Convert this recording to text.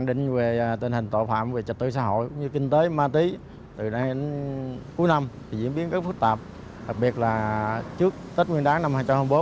đặc biệt là trước tết nguyên đáng năm hai nghìn bốn